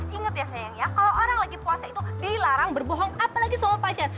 ingat ya sayang ya kalau orang lagi puasa itu dilarang berbohong apalagi soal pacar